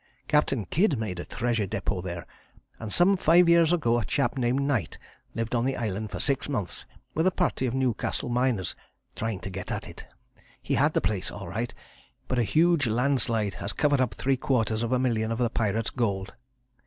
Captain Kidd made a treasure depôt there, and some five years ago a chap named Knight lived on the island for six months with a party of Newcastle miners trying to get at it. He had the place all right, but a huge landslide has covered up three quarters of a million of the pirate's gold.